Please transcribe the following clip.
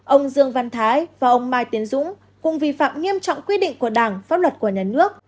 ông dương văn thái và ông mai tiến dũng cũng vi phạm nghiêm trọng quy định của đảng pháp luật của nhà nước